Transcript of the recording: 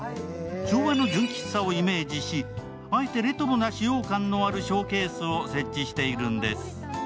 昭和の純喫茶をイメージしあえてレトロな使用感のあるショーケースを設置してるんです。